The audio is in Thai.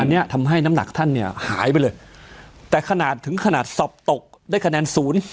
อันนี้ทำให้น้ำหนักท่านเนี่ยหายไปเลยแต่ขนาดถึงขนาดสอบตกได้คะแนนศูนย์